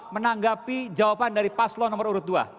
menanggapi jawaban dari paslo nomor urut dua